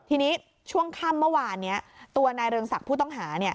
ทีนี้ช่วงค่ำเมื่อวานนี้ตัวนายเรืองศักดิ์ผู้ต้องหา